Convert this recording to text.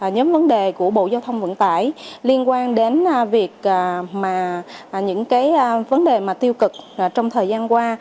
nhóm vấn đề của bộ giao thông vận tải liên quan đến việc những vấn đề mà tiêu cực trong thời gian qua